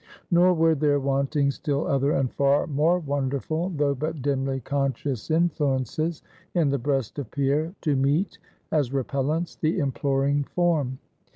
Nor were there wanting still other, and far more wonderful, though but dimly conscious influences in the breast of Pierre, to meet as repellants the imploring form.